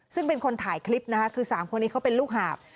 ซึ่งเป็นคนถ่ายคลิปนะคะคือ๓คนนี้เขาเป็นลูกหาบ